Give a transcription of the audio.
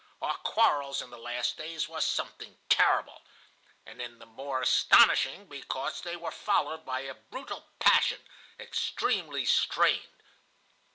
Our quarrels in the last days were something terrible, and the more astonishing because they were followed by a brutal passion extremely strained.